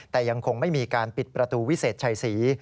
แต่ยังคงไม่มีการปิดประตูวิเศษชัยศรี